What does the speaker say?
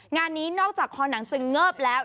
งานนี้นอกจากคอหนังจะเงิบแล้ว